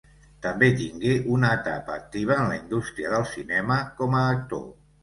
També tingué una etapa activa en la indústria del cinema com a actor.